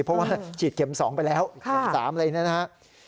เพราะว่าฉีดเข็มสองไปแล้วเข็มสามอะไรอย่างนี้